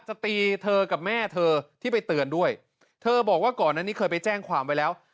จะตีเธอกับแม่เธอที่ไปเตือนด้วยเธอบอกว่าก่อนนั้นนี้เคยไปแจ้งความไว้แล้ว